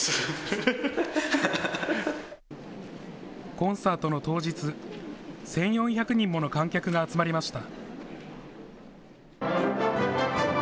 コンサートの当日、１４００人もの観客が集まりました。